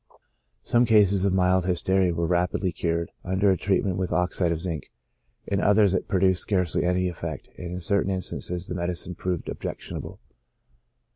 Some cases of mild hysteria were rapidly cured under a treatment with oxide of zinc, in others it produced scarcely any effect, and in certain instances the medicine proved objectionable.